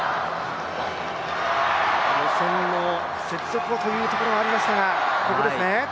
予選の雪辱をというところはありましたが、ここですね。